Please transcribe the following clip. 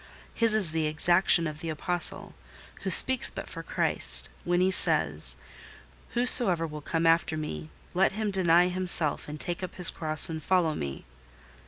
His is the exaction of the apostle, who speaks but for Christ, when he says—"Whosoever will come after me, let him deny himself, and take up his cross and follow me."